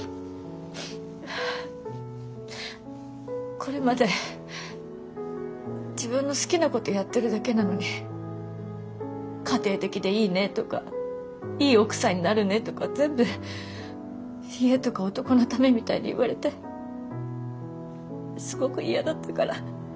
これまで自分の好きなことやってるだけなのに「家庭的でいいね」とか「いい奥さんになるね」とか全部家とか男のためみたいに言われてすごく嫌だったから。